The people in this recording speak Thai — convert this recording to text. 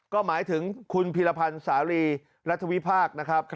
ก็หมายถึงคุณพีรพันธ์สารีรัฐวิพากษ์นะครับ